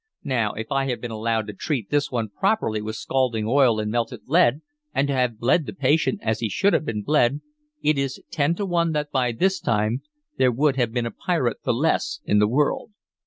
Now, if I had been allowed to treat this one properly with scalding oil and melted lead, and to have bled the patient as he should have been bled, it is ten to one that by this time there would have been a pirate the less in the world."